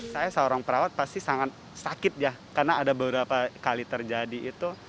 saya seorang perawat pasti sangat sakit ya karena ada beberapa kali terjadi itu